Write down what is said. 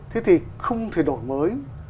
thế thì không thể đổi mới